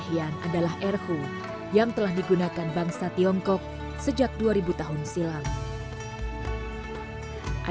ini sama orang indonesia